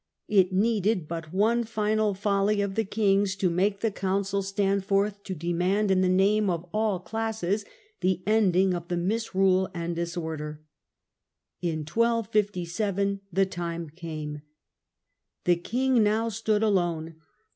It needed but one final folly of the king's to make the council stand forth to demand in the name of all classes the ending of the misrule and disorder. In 1257 the time came. The king now stood alone.